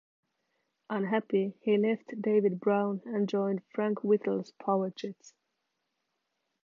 Unhappy he left David Brown and joined Frank Whittle's Power Jets.